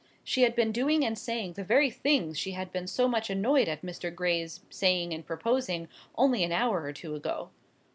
She had been doing and saying the very things she had been so much annoyed at Mr. Gray's saying and proposing only an hour or two ago.